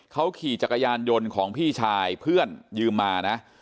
เขาขี่จักรยานยนต์ของพี่ชายเพื่อนยืมมานะ